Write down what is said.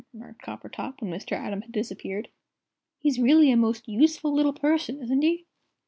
remarked Coppertop when Mr. Atom had disappeared. "He's really a most useful little person, isn't he?"